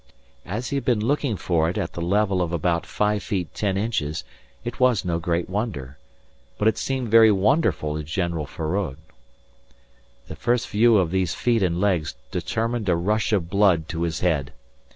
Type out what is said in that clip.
As he had been looking for it at the level of about five feet ten inches it was no great wonder but it seemed very wonderful to General Feraud. The first view of these feet and legs determined a rush of blood to his head.